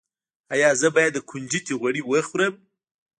ایا زه باید د کنجد غوړي وخورم؟